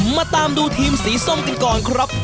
มาตามดูทีมสีส้มกันก่อนครับ